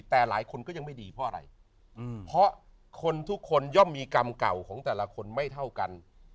แต่หลายคนก็ยังไม่ดีเพราะอะไรเพราะคนทุกคนย่อมมีกรรมเก่าของแต่ละคนไม่เท่ากัน